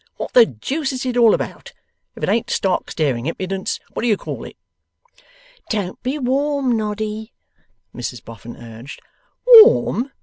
What the deuce is it all about? If it ain't stark staring impudence, what do you call it?' 'Don't be warm, Noddy,' Mrs Boffin urged. 'Warm!